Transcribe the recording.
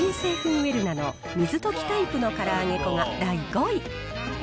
ウェルナの水溶きタイプのから揚げ粉が第５位。